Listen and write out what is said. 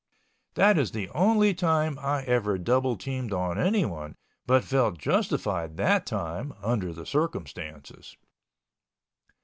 That is the only time I ever double teamed on anyone but felt justified that time under the circumstances.